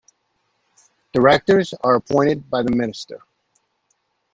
Directors are appointed by the minister.